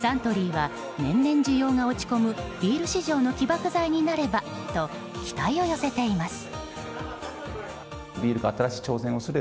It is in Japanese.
サントリーは年々需要が落ち込むビール市場の起爆剤になればと期待を寄せています。